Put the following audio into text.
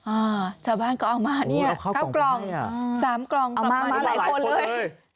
อ่าชาวบ้านก็เอามาเนี่ยเก้ากล่องสามกล่องเอามาหลายคนเลย